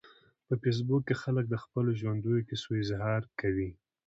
په فېسبوک کې خلک د خپلو ژوندیو کیسو اظهار کوي